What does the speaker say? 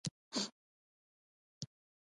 خرقه مطهره زیارت ولې مقدس دی؟